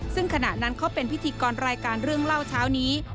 ซึ่งขณะนั้นเขาเป็นพิธีกรรายการเรื่องเล่าเช้านี้